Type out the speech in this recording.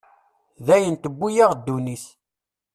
D ayen tewwi-yaɣ ddunit.